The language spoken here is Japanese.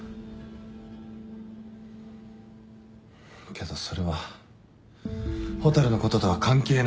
けどそれは蛍のこととは関係ない。